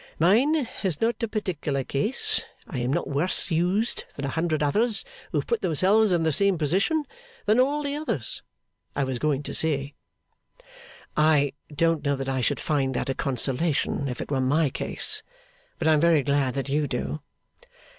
Mine is not a particular case. I am not worse used than a hundred others who have put themselves in the same position than all the others, I was going to say.' 'I don't know that I should find that a consolation, if it were my case; but I am very glad that you do.